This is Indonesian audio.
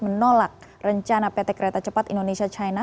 menolak rencana pt kereta cepat indonesia china